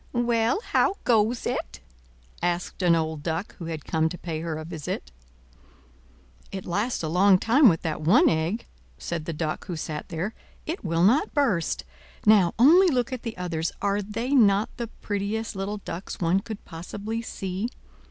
"Well, how goes it?" asked an old Duck who had come to pay her a visit. "It lasts a long time with that one egg," said the Duck who sat there. "It will not burst. Now, only look at the others; are they not the prettiest little ducks one could possibly see?